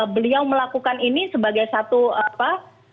beliau melakukan ini sebagai satu apa